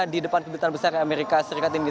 di depan kedutaan besar amerika serikat ini